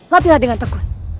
lapilah dengan tekun